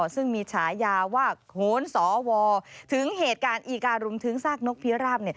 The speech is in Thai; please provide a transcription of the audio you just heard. ซึ่งมีฉายาว่าโขนสวถึงเหตุการณ์อีการุมถึงซากนกพิราบ